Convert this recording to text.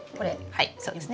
はいそうですね。